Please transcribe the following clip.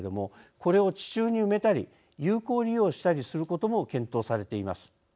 これを地中に埋めたり有効利用したりすることも検討されています。